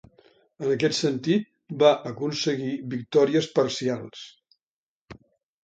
En aquest sentit, va aconseguir victòries parcials.